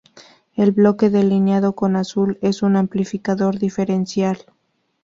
El bloque delineado con azul es un amplificador diferencial.